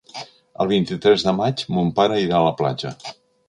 El vint-i-tres de maig mon pare irà a la platja.